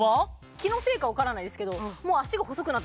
気のせいか分からないですけど